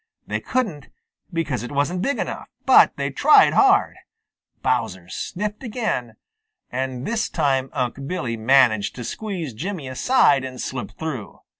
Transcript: They couldn't, because it wasn't big enough, but, they tried hard. Bowser sniffed again, and this time Unc' Billy managed to squeeze Jimmy aside and slip through.